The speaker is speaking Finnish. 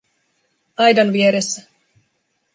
Aidan vieressä.